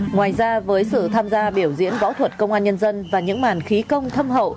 ngoài ra với sự tham gia biểu diễn võ thuật công an nhân dân và những màn khí công thâm hậu